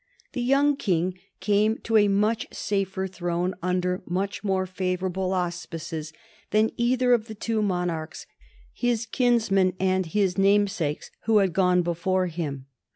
The young King came to a much safer throne under much more favorable auspices than either of the two monarchs, his kinsmen and his namesakes, who had gone before him.